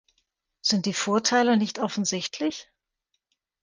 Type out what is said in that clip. Sind die Vorteile nicht offensichtlich?